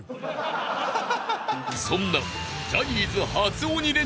［そんな］